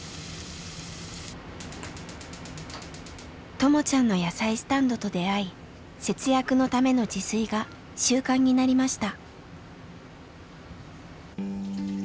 ともちゃんの野菜スタンドと出会い節約のための自炊が習慣になりました。